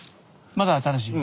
まだ新しい？